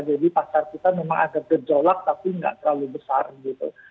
jadi pasar kita memang agak gejolak tapi nggak terlalu besar gitu